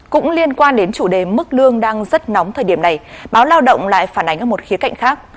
cũng liên quan đến chủ đề mức lương đang rất nóng thời điểm này báo lao động lại phản ánh ở một khía cạnh khác